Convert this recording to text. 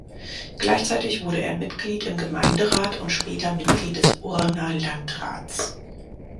Gleichzeitig wurde er Mitglied im Gemeinderat und später Mitglied des Urner Landrats.